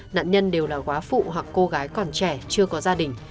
nạn nhân đều là quá phụ hoặc cô gái còn trẻ chưa có gia đình